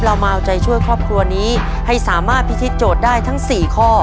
เรามาเอาใจช่วยครอบครัวนี้ให้สามารถพิธีโจทย์ได้ทั้ง๔ข้อ